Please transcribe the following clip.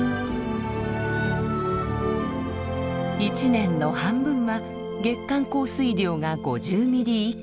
１年の半分は月間降水量が５０ミリ以下。